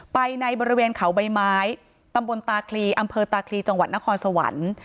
ไปในบริเวณเขาใบไม้ตำบลตาคลีอำเภอตาคลีจังหวัดนครสวรรค์